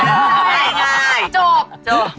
จบ